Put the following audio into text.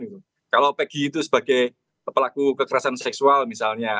bukan hanya karena kekerasan seksual misalnya